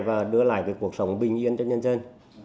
và đưa lại cuộc sống bình yên cho nhân dân